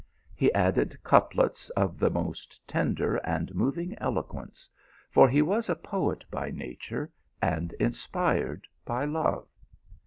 He added couplets of the most tender and moving eloquence, for he was a poet by nature and inspired by love.